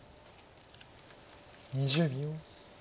２０秒。